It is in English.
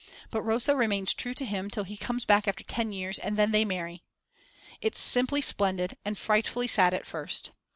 But Rosa remains true to him till he comes back after 10 years and then they marry. It's simply splendid and frightfully sad at first.